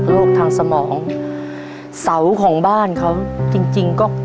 ร้วมบ้าง